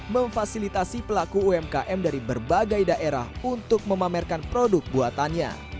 memfasilitasi pelaku umkm dari berbagai daerah untuk memamerkan produk buatannya